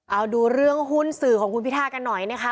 เอาดูเรื่องหุ้นสื่อของคุณพิทากันหน่อยนะคะ